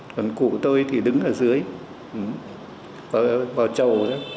còn cụ tôi thì đứng ở dưới vào trầu đó